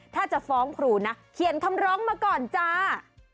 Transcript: ถ้าจะฟ้องครูนะเขียนคำร้องมาก่อนจ้า